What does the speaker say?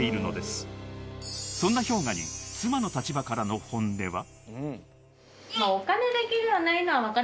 ［そんなＨｙＯｇＡに妻の立場からの本音は］